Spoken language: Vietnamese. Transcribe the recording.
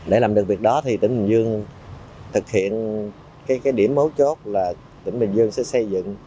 để làm được việc đó thì tỉnh bình dương thực hiện cái điểm mấu chốt là tỉnh bình dương sẽ xây dựng